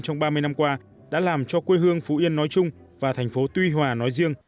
trong ba mươi năm qua đã làm cho quê hương phú yên nói chung và thành phố tuy hòa nói riêng